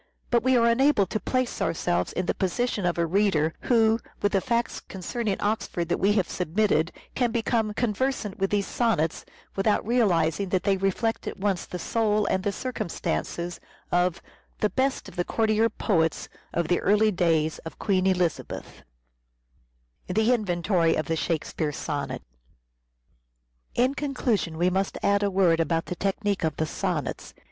But we are unable to place ourselves in the position of a reader, who with the facts concerning Oxford that we have submitted, can become conversant with these Sonnets without realizing that they reflect at once the soul and the circumstances of " the best of the courtier poets of the early days of Queen Elizabeth." In conclusion, we must add a word about the The inventor technique of the Sonnets.